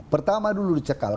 pertama dulu dicekal